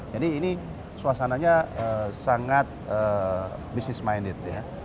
jadi ini suasananya sangat business minded ya